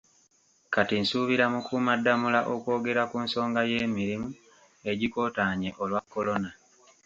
Kati nsuubira Mukuumaddamula okwogera ku nsonga y’emirimu egigootaanye olwa Corona